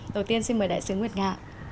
đầu tiên xin mời đại sứ nguyệt ngã